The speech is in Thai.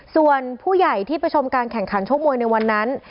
ส่วนผู้ใหญ่ที่ไปชมการแข่งขันชกมวยในวันนั้น